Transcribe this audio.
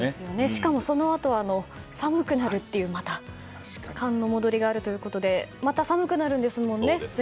しかもそのあとは寒くなるといいますから寒の戻りがあるということでまた寒くなるんですよね。